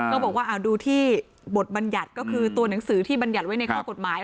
ก็บอกว่าดูที่บทบัญญัติก็คือตัวหนังสือที่บรรยัติไว้ในข้อกฎหมาย